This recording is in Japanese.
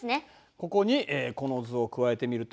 ここにこの図を加えてみると。